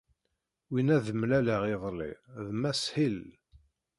Win ay d-mlaleɣ iḍelli d Mass Hill.